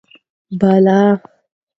بالا: